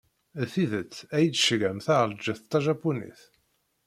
D tidet ad yi-d-tceyyɛem taɛelǧett tajapunit?